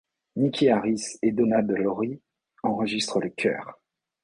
Niki Harris et Donna De Lory enregistre les chœurs.